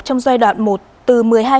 trong giai đoạn một từ một mươi hai năm